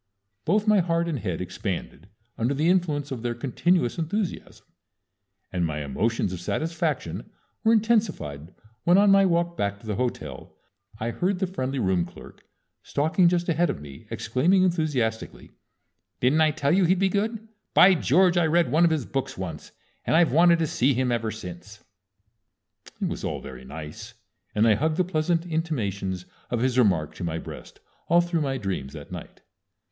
Both my heart and head expanded under the influence of their continuous enthusiasm, and my emotions of satisfaction were intensified when on my walk back to the hotel I heard the friendly room clerk, stalking just ahead of me, exclaiming enthusiastically: "Didn't I tell you he'd be good? By George! I read one of his books once, and I've wanted to see him ever since." It was all very nice, and I hugged the pleasant intimations of his remark to my breast all through my dreams that night.